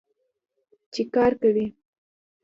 چې کار کوي.